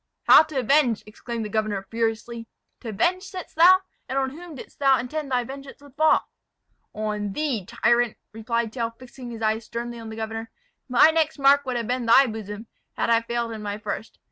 "How to avenge?" exclaimed the governor, furiously. "To avenge, saidst thou? and on whom didst thou intend thy vengeance would fall?" "On thee, tyrant!" replied Tell, fixing his eyes sternly on the governor. "My next mark would have been thy bosom, had I failed in my first.